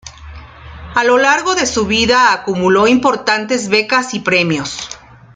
A lo largo de su vida acumuló importantes becas y premios.